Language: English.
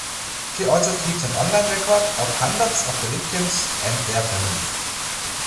She also keeps an online record of hundreds of the victims and their families.